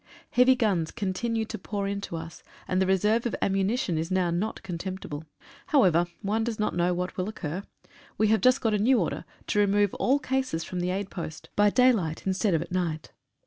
Heavy guns continue to pour in to us, and the reserve of ammunition is now not contemptible. How ever, one does not know what will occur. We have just got a new order, to remove all cases from the aid post 101 AN AID POST. by daylight instead of at night.